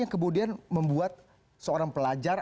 yang kemudian membuat seorang pelajar